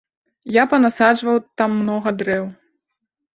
Я панасаджваў там многа дрэў.